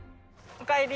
おかえり。